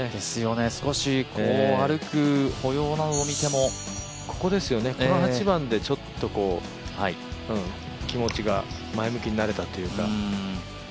少し歩く歩様などを見てもこの８番でちょっと、気持ちが前向きになれたというか。